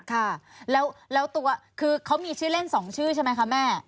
ค่ะแล้วตัวคือเขามีชื่อเล่น๒ชื่อใช่ไหมคะแม่